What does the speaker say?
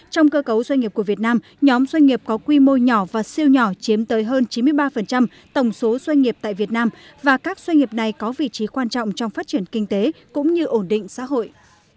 trong cơ cấu doanh nghiệp của việt nam nhóm doanh nghiệp có quy mô nhỏ và siêu nhỏ chiếm tới hơn chín mươi ba tổng số doanh nghiệp tại việt nam và các doanh nghiệp này có vị trí quan trọng trong phát triển kinh tế cũng như ổn định xã hội